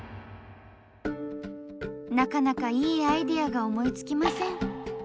なかなかいいアイデアが思いつきません。